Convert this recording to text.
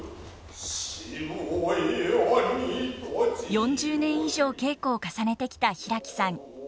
４０年以上稽古を重ねてきた平木さん。